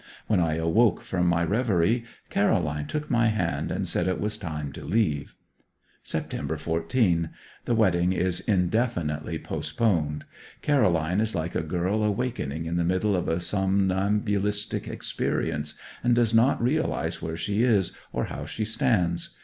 When I awoke from my reverie Caroline took my hand and said it was time to leave. September 14. The wedding is indefinitely postponed. Caroline is like a girl awakening in the middle of a somnambulistic experience, and does not realize where she is, or how she stands.